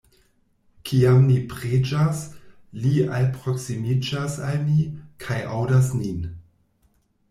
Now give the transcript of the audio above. Kiam ni preĝas, Li alproksimiĝas al ni, kaj aŭdas nin.